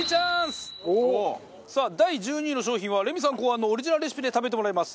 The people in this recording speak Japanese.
さあ第１２位の商品はレミさん考案のオリジナルレシピで食べてもらいます。